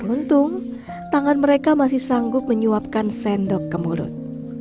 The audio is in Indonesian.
untung tangan mereka masih sanggup menyuapkan sendok ke mulut